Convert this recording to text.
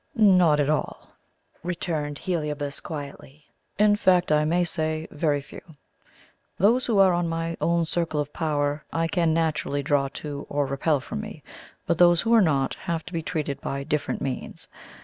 "Not all," returned Heliobas quietly. "In fact, I may say, very few. Those who are on my own circle of power I can, naturally, draw to or repel from me; but those who are not, have to be treated by different means.